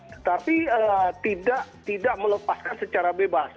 tetapi tidak melepaskan secara bebas